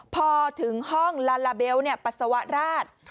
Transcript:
พอถึงห้องลาลาเบลปัสสาวะราช